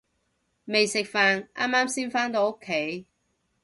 未食飯，啱啱先返到屋企